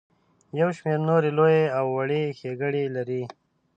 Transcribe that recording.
یو شمیر نورې لویې او وړې ښیګړې لري.